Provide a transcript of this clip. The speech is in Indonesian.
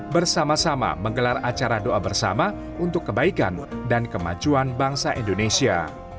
bersama sama menggelar acara doa bersama untuk kebaikan dan kemajuan bangsa indonesia